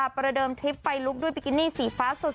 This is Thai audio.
ประเดิมทริปไฟลุกด้วยบิกินี่สีฟ้าสุด